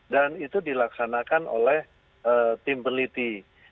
dan itu dilaksanakan oleh tim peneliti